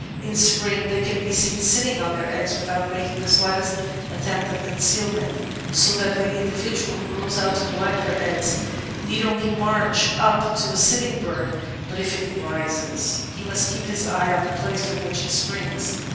In Spring they can be seen sitting on their eggs without making the slightest attempt at concealment, so that the indi vidual who goes out to collect their eggs need only march up to a sitting bird, but if it rises he must keep his eye on the place from which it springs.